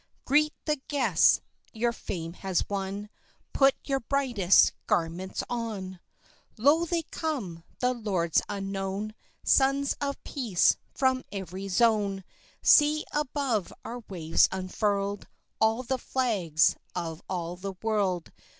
Greet the guests your fame has won Put your brightest garments on. Recitative and Chorus Lo, they come the lords unknown, Sons of Peace, from every zone! See above our waves unfurled All the flags of all the world!